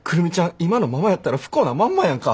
今のままやったら不幸なまんまやんか。